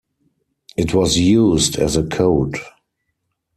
It was used as a code.